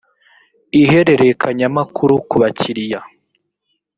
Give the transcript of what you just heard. ihererekanyamakuru ku bakiliya .